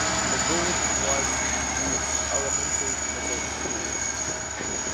The gold was in its elemental metal form.